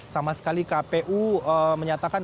sama sekali kpu menyatakan